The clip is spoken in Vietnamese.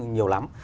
bốn nhiều lắm